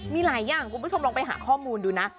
มีหลายอย่างคุณผู้ชมลองไปหาข้อมูลดูนะ